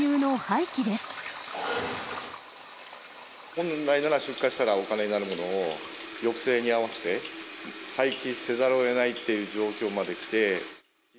本来なら出荷したらお金になるものを、抑制に合わせて、廃棄せざるをえないっていう状況まで来て。